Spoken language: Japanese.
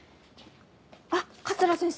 あっ桂先生！